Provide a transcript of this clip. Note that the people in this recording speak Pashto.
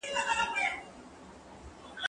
زه به سبا موبایل کاروم؟!